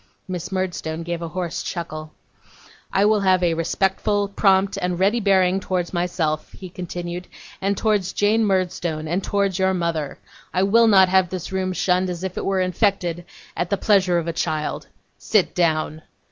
Miss Murdstone gave a hoarse chuckle. 'I will have a respectful, prompt, and ready bearing towards myself,' he continued, 'and towards Jane Murdstone, and towards your mother. I will not have this room shunned as if it were infected, at the pleasure of a child. Sit down.